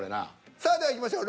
さあではいきましょう